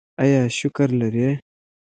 ایا شکر لرئ؟